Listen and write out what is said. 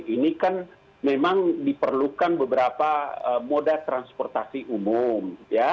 ini kan memang diperlukan beberapa moda transportasi umum